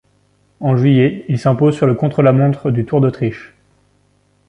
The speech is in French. En juillet, il s'impose sur le contre-la-montre du Tour d'Autriche.